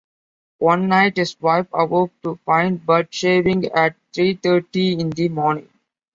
One night, his wife awoke to find Budd shaving at three-thirty in the morning.